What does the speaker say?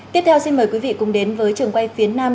tiếp theo xin mời quý vị cùng đến với trường quay phía nam